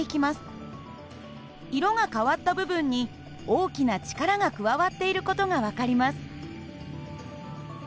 色が変わった部分に大きな力が加わっている事が分かります。